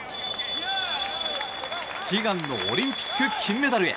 悲願のオリンピック金メダルへ。